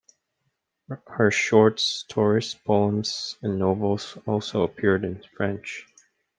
Her short stories, poems, and novels also appeared in French.